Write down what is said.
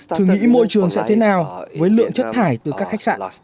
thử nghĩ môi trường sẽ thế nào với lượng chất thải từ các khách sạn